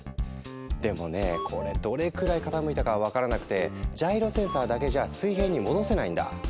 でもねこれどれくらい傾いたかは分からなくてジャイロセンサーだけじゃ水平に戻せないんだ。